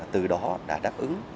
từ đó đã đáp ứng